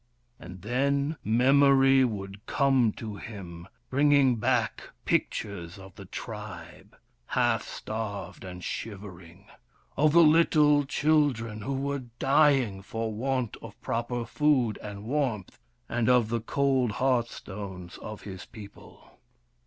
And then Memory would come to him, bringing back pictures of the tribe, half starved and shiver ing ; of the little children who were dying for want of proper food and warmth, and of the cold hearth stones of his people.